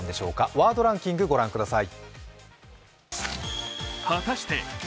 ワードランキング御覧ください。